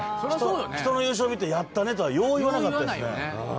人の優勝見て、やったねとか、よう言わなかったですね。